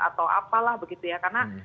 atau apalah begitu ya karena